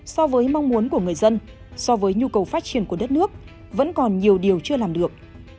so với mong muốn của người dân so với nhu cầu phát triển của đất nước vẫn còn nhiều điều chưa làm được